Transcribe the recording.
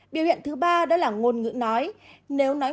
biểu hiện thứ ba đó là ngôn ngữ nói